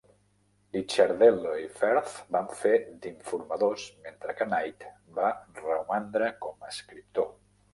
Licciardello i Firth van fer d'informadors mentre que Knight va romandre com a escriptor.